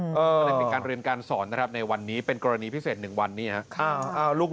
ก็เลยเป็นการเรียนการสอนนะครับในวันนี้เป็นกรณีพิเศษ๑วันนี้ครับ